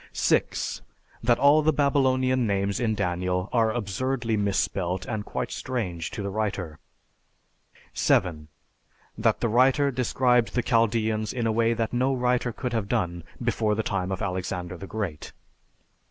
6. That all the Babylonian names in Daniel are absurdly misspelt and quite strange to the writer. 7. That the writer described the Chaldeans in a way that no writer could have done before the time of Alexander the Great.